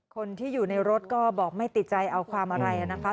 คนที่อยู่ในรถก็บอกไม่ติดใจเอาความอะไรนะคะ